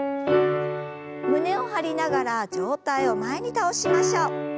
胸を張りながら上体を前に倒しましょう。